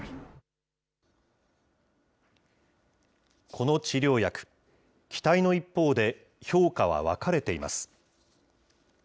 この治療薬、期待の一方で、評価は分かれています。